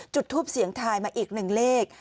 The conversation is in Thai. จุดทูปเสียงทายมาอีกหนึ่งเลข